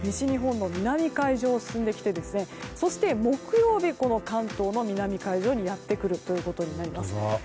日本の南海上を進んできてそして木曜日、関東の南海上にやってくるということになります。